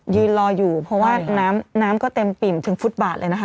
ยืนรออยู่เพราะว่าน้ำน้ำก็เต็มปิ่มถึงฟุตบาทเลยนะคะ